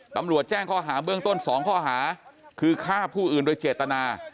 ตำรวจแจ้งข้อหาเบื้องต้น๒ข้อหาคือฆ่าผู้อื่นโดยเจตนา